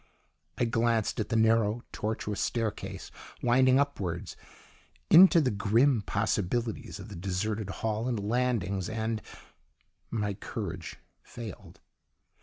I glanced at the narrow, tortuous staircase winding upwards into the grim possibilities of the deserted hall and landings and my courage failed.